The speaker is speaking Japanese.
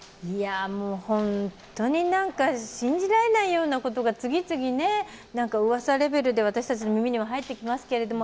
もう本当に信じられないようなことが次々、噂レベルで私たちの耳には入ってきますけれども。